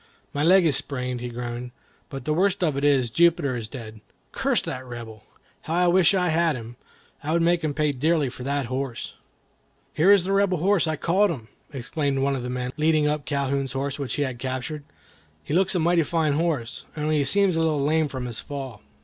"My leg is sprained," he groaned; "but the worst of it is, Jupiter is dead. Curse that Rebel! how I wish I had him! I would make him pay dearly for that horse." "Here is the Rebel's horse. I caught him!" exclaimed one of the men, leading up Calhoun's horse, which he had captured. "He looks like a mighty fine horse, only he seems a little lame from his fall."